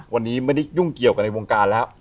วันนี้ไม่ได้ยุ่งเกี่ยวกันในวงการแล้ว